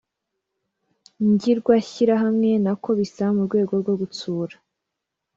ngirwashyirahamwe. ntako bisa mu rwego rwo gutsura